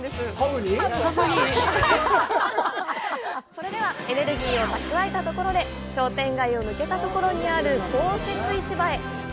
それでは、エネルギーを蓄えたところで、商店街を抜けたところにある公設市場へ！